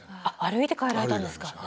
あっ歩いて帰られたんですか。